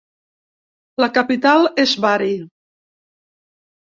La capital és Bari.